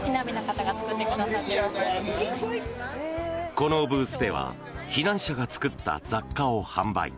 このブースでは避難者が作った雑貨を販売。